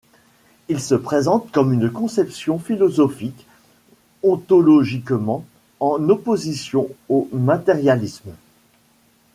Il se présente comme une conception philosophique ontologiquement en opposition au matérialisme.